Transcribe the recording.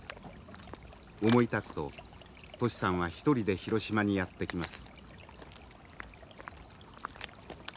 思い立つとトシさんは一人で広島にやって来ます。